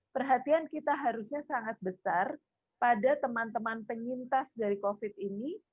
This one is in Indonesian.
perhatian kita harusnya sangat besar pada teman teman penyintas dari covid ini